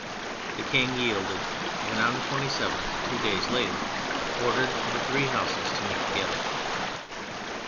The King yielded, and on the 27th, two days later, ordered the three Houses to meet together.